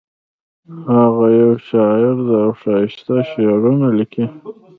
هغه یو شاعر ده او ښایسته شعرونه لیکي